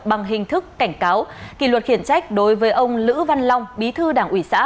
bằng hình thức cảnh cáo kỳ luật khiển trách đối với ông lữ văn long bí thư đảng ủy xã